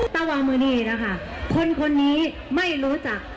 สวัสดีค่ะลุงพลค่ะ